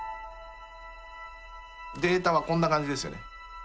データはこんな感じですよね。